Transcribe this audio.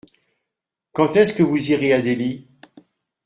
Quand est-ce que vous irez à Delhi ?